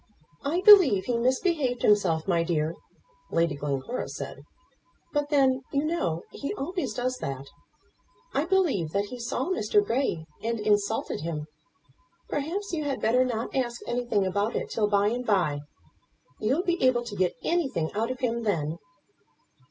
"I believe he misbehaved himself, my dear," Lady Glencora said; "but then, you know, he always does that. I believe that he saw Mr. Grey and insulted him. Perhaps you had better not ask anything about it till by and by. You'll be able to get anything out of him then."